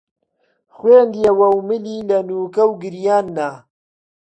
خوێندیەوە و ملی لە نووکە و گریان نا